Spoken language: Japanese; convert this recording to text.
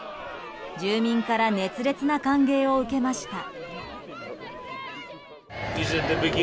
住民から熱烈な歓迎を受けました。